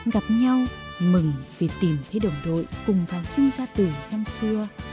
gặp nhau mừng vì tìm thấy đồng đội cùng vào sinh ra từ năm xưa